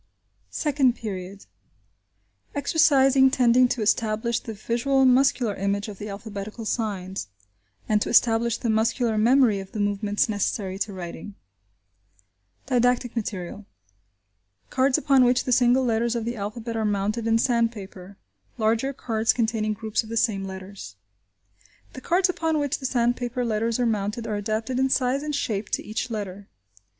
SECOND PERIOD: EXERCISES TENDING TO ESTABLISH THE VISUAL MUSCULAR IMAGE OF THE ALPHABETICAL SIGNS: AND TO ESTABLISH THE MUSCULAR MEMORY OF THE MOVEMENTS NECESSARY TO WRITING Didactic Material. Cards upon which the single letters of the alphabet are mounted in sandpaper; larger cards containing groups of the same letters. The cards upon which the sandpaper letters are mounted are adapted in size and shape to each letter.